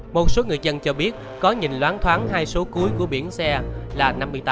một số người dân cho biết có nhìn loán thoáng hai số cuối của biển xe là năm mươi tám